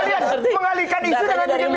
ini yang menghalikan isu ini pak prabowo ini ya